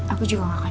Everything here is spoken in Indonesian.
aku juga gak akan